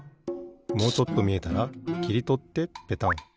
もうちょっとみえたらきりとってペタン。